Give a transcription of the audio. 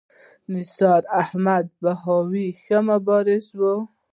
نثار احمد بهاوي ښه مبارز و.